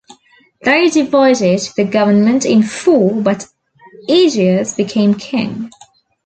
They divided the government in four but Aegeas became king.